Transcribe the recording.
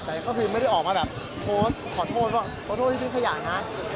แต่ก็คือไม่ได้ออกมาแบบโพสต์ขอโทษว่าขอโทษที่ทิ้งขยะนะ